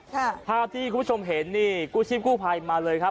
ครับถ้าที่คุณผู้ชมเห็นนี่กูชิมกูไพรมาเลยครับ